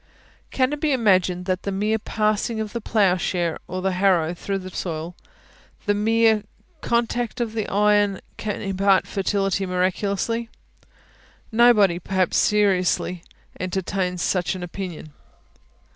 Can it be imagined that the mere passing of the ploughshare or the harrow through the soil the mere contact of the iron can impart fertility miraculously? Nobody, perhaps, seriously entertains such an opinion.